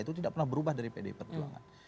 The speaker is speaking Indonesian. itu tidak pernah berubah dari pdi perjuangan